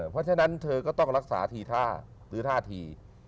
เพราะฉะนั้นเธอก็ต้องรักษาทีท่าหรือท่าที